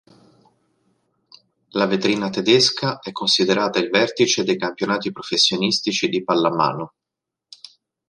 La vetrina tedesca è considerata il vertice dei campionati professionistici di pallamano.